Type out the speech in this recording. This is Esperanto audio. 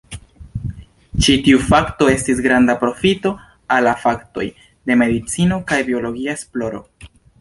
Ĉi tiu fakto estis granda profito al la faktoj de medicino kaj biologia esploro.